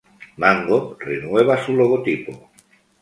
Mango renueva su logotipo.